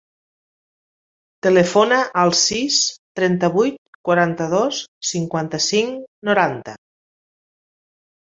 Telefona al sis, trenta-vuit, quaranta-dos, cinquanta-cinc, noranta.